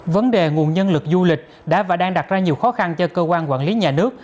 vấn đề nguồn nhân lực du lịch đã và đang đặt ra nhiều khó khăn cho cơ quan quản lý nhà nước